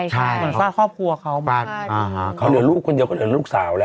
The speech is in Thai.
ใช่ฟาดครอบครัวเขามาเขาเหลือลูกคนเดียวเขาเหลือลูกสาวแล้ว